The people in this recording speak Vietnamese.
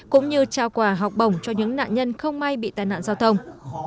cũng như trao quà học bổng cho những nạn nhân không may bị tai nạn giao thông